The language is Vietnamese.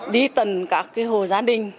đi tầng các hồ gia đình